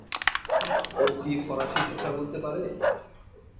ও কি ফরাশি ভাষা বলতে পারে?